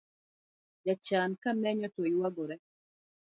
Jachan kamenyo to yuagore